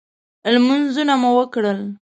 لمنځونه مو وکړل.